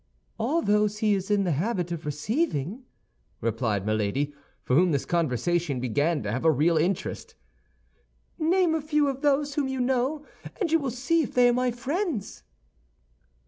"All those he is in the habit of receiving!" replied Milady, for whom this conversation began to have a real interest. "Name a few of those whom you know, and you will see if they are my friends."